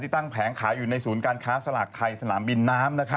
ตั้งแผงขายอยู่ในศูนย์การค้าสลากไทยสนามบินน้ำ